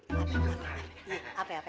ini beneran menarik